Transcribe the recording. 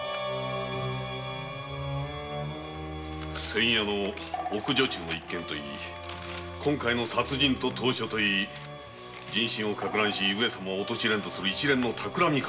先夜の奥女中といい今回の殺人と投書といい人心をかく乱し上様を陥れんとす一連のたくらみかと。